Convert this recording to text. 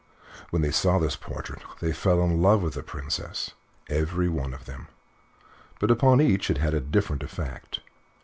When they saw this portrait they fell in love with the Princess every one of them, but upon each it had a different effect.